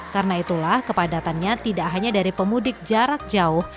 karena itulah kepadatannya tidak hanya dari pemudik jarak jauh